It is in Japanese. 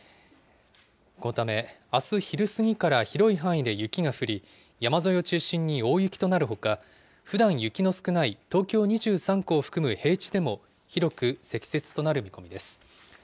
このため、あす昼過ぎから広い範囲で雪が降り、山沿いを中心に大雪となるほか、ふだん雪の少ない東京２３区を含む平地でも、広く積雪となる見込みです。